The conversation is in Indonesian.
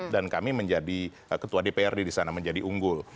dan kami menjadi ketua dprd di sana menjadi unggul